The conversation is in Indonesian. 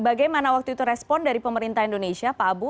bagaimana waktu itu respon dari pemerintah indonesia pak abu